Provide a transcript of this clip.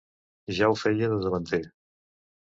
Ja ho feia de davanter.